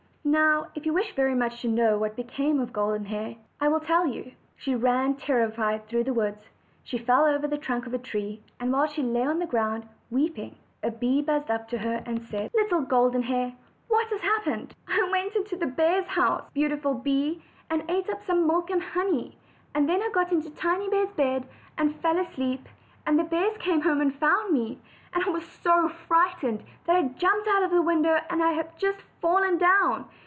Now if you wish very much to know what became of Golden Hair, I will tell you. As she ran, terrified, through the wood, she fell over OLD, OLD FAIRY TALES. the trunk of a tree, and while she lay on the ground, weeping, a bee buzzed up to her and said: "Little Golden Hair, what has happened?" And Golden Hair said: "I went into the bears' house, beautiful bee, and ate up some milk and honey; and then I got into Tiny bear's bed and fell asleep, and the bears came home and found me; and I was so frightened that I jumped out of the window, and I have just fallen down.